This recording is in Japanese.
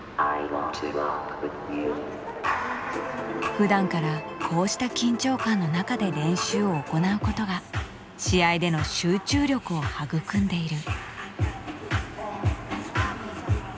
ふだんからこうした緊張感の中で練習を行うことが試合での集中力を育んでいる。